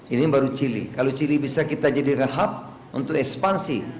ini baru chile kalau chile bisa kita jadi hub untuk ekspansi